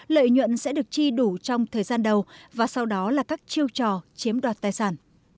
lợi nhuận sẽ được chi đủ trong thời gian đầu và sau đó là các chiêu trò chiếm đoạt tài sản